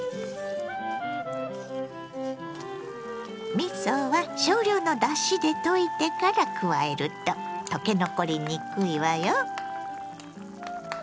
みそは少量のだしで溶いてから加えると溶け残りにくいわよ。